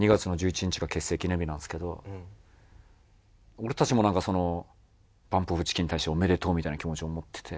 俺たちもなんかそのＢＵＭＰＯＦＣＨＩＣＫＥＮに対しておめでとうみたいな気持ちを持ってて。